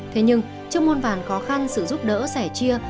thế nhưng trong môn vàn khó khăn sự giúp đỡ sẻ chia